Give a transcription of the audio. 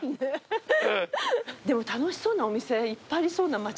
でも楽しそうなお店いっぱいありそうな町だね。